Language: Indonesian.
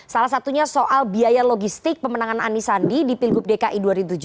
salah satunya soal biaya logistik pemenangan anies sandi di pilgub dki dua ribu tujuh belas